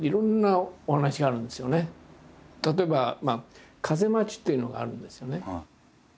例えば「風待ち」っていうのがあるんですよね。